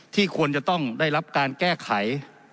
ควรจะต้องได้รับการแก้ไข